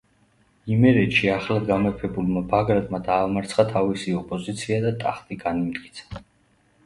იმერეთში ახლად გამეფებულმა ბაგრატმა დაამარცხა თავისი ოპოზიცია და ტახტი განიმტკიცა.